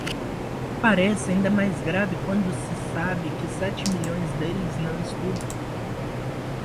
parece ainda mais grave quando se sabe que sete milhões deles não estudam